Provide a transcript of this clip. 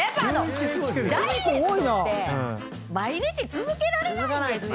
ダイエットって毎日続けられないんですよ。